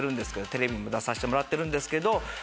テレビも出させてもらってるんですけど。